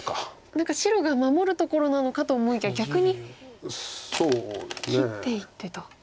何か白が守るところなのかと思いきや逆に切っていってと。